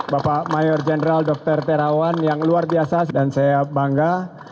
bapak mayor jenderal dr terawan yang luar biasa dan saya bangga